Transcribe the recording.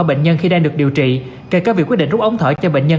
bệnh nhân khi đang được điều trị kể cả việc quyết định rút ống thở cho bệnh nhân